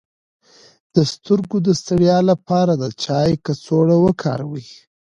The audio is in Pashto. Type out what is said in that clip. د سترګو د ستړیا لپاره د چای کڅوړه وکاروئ